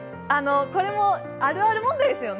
これも、あるある問題ですよね。